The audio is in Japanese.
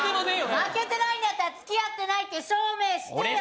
負けてないんだったら付き合ってないって証明してよ